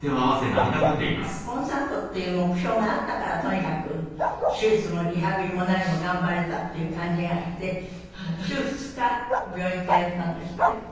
なんかコンサートっていう目標があったからとにかく手術もリハビリも何も頑張れたっていう感じがして週２日病院に通ったんですって？